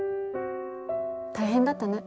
大変だったね。